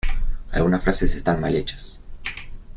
Algunas frases están mal hechas.